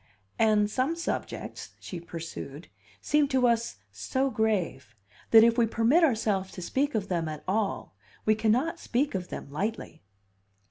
"And some subjects," she pursued, "seem to us so grave that if we permit ourselves to speak of them at all we cannot speak of them lightly."